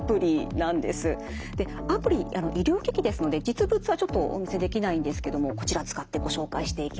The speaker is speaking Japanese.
アプリ医療機器ですので実物はちょっとお見せできないんですけどもこちら使ってご紹介していきます。